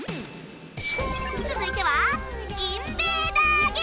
続いては